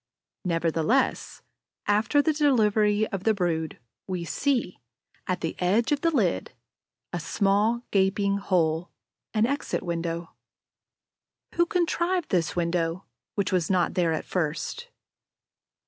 Nevertheless, after the delivery of the brood, we see, at the edge of the lid, a small, gaping hole, an exit window. Who contrived this window, which was not there at first?